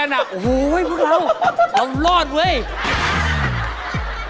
โอ้เพราะเรามีความรัก